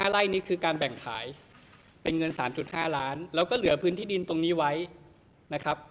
ไล่นี่คือการแบ่งขายเป็นเงิน๓๕ล้านแล้วก็เหลือพื้นที่ดินตรงนี้ไว้นะครับ